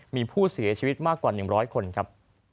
มีผู้เสียชีวิตมากกว่า๑๐๐คนครับ